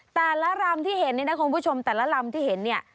แต่ละลำที่เห็นนี่นะคุณผู้ชมแต่ละลำที่เห็นเนี่ย